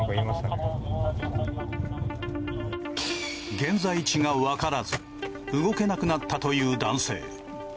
現在地が分からず動けなくなったという男性。